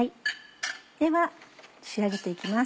では仕上げて行きます。